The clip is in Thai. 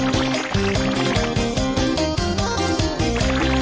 โอ้โฮเฮ้ยโยกจนเอวพังก็ไม่ได้ใจเธอเลยนะ